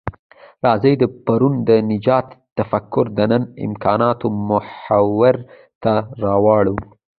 راځئ د پرون د نجات تفکر د نن امکاناتو محور ته راوړوو.